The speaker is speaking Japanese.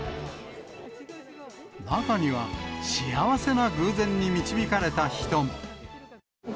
中には幸せな偶然に導かれた人も。